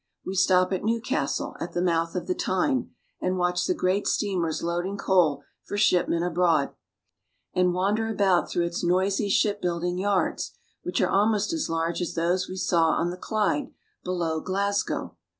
We stop at Newcastle at the mouth of the Tyne, and watch the great steamers loading coal for shipment abroad, and wander about through its noisy shipbuilding yards, which are almost as large as those we saw on the Clyde below Glasgow.